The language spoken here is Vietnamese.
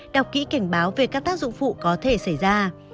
đọc kỹ cảnh báo về các tác dụng phụ có thể xảy ra